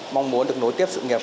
mong muốn được nối tiếp sự nghiệp